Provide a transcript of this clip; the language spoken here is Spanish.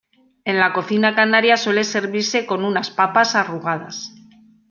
En la cocina canaria suele servirse con unas papas arrugadas.